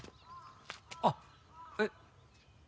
あっえっ？